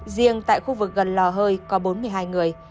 riêng tại khu vực gần lò hơi có bốn mươi hai người